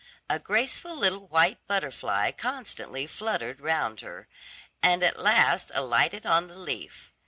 A graceful little white butterfly constantly fluttered round her, and at last alighted on the leaf.